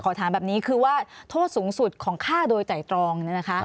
ถามแบบนี้คือว่าโทษสูงสุดของฆ่าโดยไตรตรอง